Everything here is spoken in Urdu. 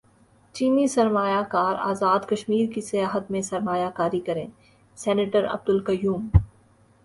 چینی سرمایہ کار ازاد کشمیر کی سیاحت میں سرمایہ کاری کریں سینیٹر عبدالقیوم